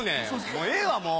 もうええわもう。